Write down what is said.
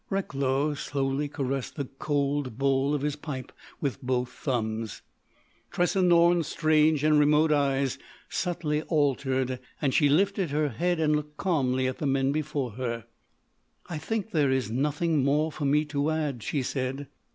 Recklow slowly caressed the cold bowl of his pipe with both thumbs. Tressa Norne's strange and remote eyes subtly altered, and she lifted her head and looked calmly at the men before her. "I think that there is nothing more for me to add," she said.